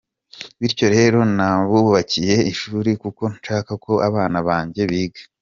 Bityo rero nabubakiye ishuri kuko nshaka ko abana banjye biga.